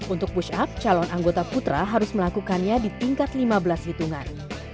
untuk push up calon anggota putra harus melakukannya di tingkat lima belas hitungan